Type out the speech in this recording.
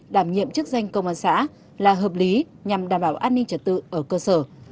đảm nhiệm chức danh công an xã là hợp lý nhằm đảm bảo an ninh trật tự ở cơ sở